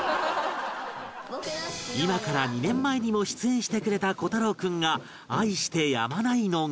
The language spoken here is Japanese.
今から２年前にも出演してくれた虎太朗君が愛してやまないのが